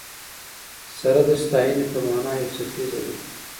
سره د ستاینې په مانا یو څپیزه ده.